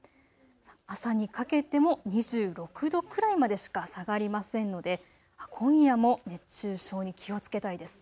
朝にかけても２６度くらいまでしか下がりませんので今夜も熱中症に気をつけたいです。